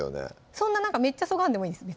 そんななんかめっちゃそがんでもいいです